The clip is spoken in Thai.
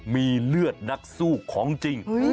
มีเลือดนักสู้ของจริง